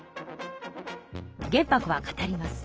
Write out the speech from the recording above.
玄白は語ります。